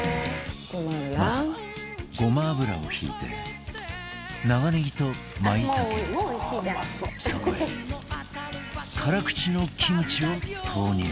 まずはごま油を引いて長ねぎと舞茸そこへ辛口のキムチを投入